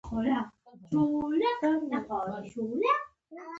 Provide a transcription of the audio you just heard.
بې مسولیته مرستې ګټه نه لري.